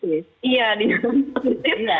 iya dinyatakan positif